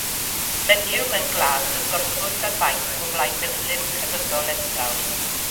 Menyw mewn glas yn gorffwys ar fainc o flaen murlun crefyddol enfawr